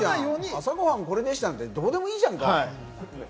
朝ごはん、これでしたって、どうでもいいじゃんね。